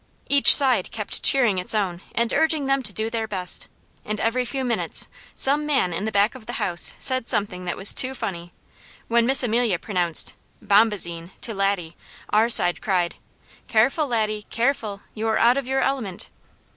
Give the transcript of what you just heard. Each side kept cheering its own and urging them to do their best, and every few minutes some man in the back of the house said something that was too funny. When Miss Amelia pronounced "bombazine" to Laddie our side cried, "Careful, Laddie, careful! you're out of your element!"